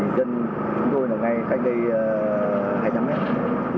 thì dân chúng tôi là ngay khách đây hai trăm linh mét